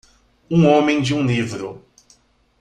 Um homem de um livro